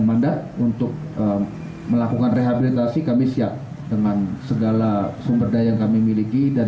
mandat untuk mengejutkan rehabilitasi kami siap dengan segala sumber daya yang memiliki dan